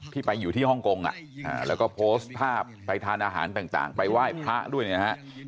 ไปอยู่ที่ฮ่องกงแล้วก็โพสต์ภาพไปทานอาหารต่างไปไหว้พระด้วยเนี่ยนะฮะ